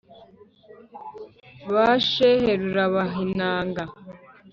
ba shehe rurabahinanga